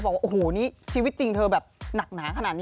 บอกว่าโอ้โหนี่ชีวิตจริงเธอแบบหนักหนาขนาดนี้